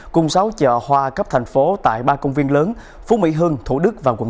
cùng sáu chợ hoa cấp thành phố tại ba công viên lớn phú mỹ hưng thủ đức và quận tám